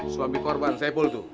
suami korban saya pul tuh